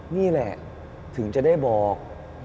นี่แหละถึงจะได้บอก